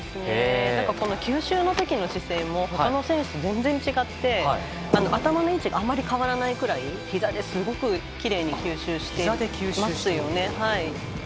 吸収のときの姿勢もほかの選手と全然違って、頭の位置があまり変わらないぐらいひざで、すごくきれいに吸収してますよね。